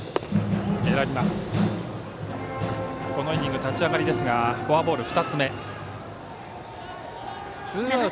このイニング、立ち上がりですがフォアボール２つ目。